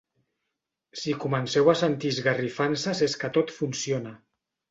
Si comenceu a sentir esgarrifances és que tot funciona.